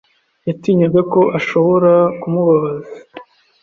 Yatinyaga ko ashobora kumubabaza.